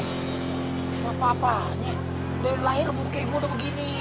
gak apa apanya udah lahir burke gue udah begini